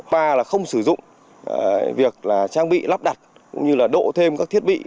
ba là không sử dụng việc trang bị lắp đặt cũng như là đổ thêm các thiết bị